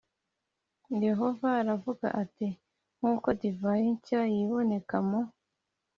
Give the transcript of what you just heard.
yehova aravuga ati nk uko divayi nshya y iboneka mu